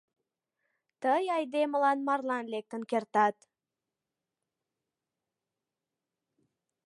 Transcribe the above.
Тый айдемылан марлан лектын кертат.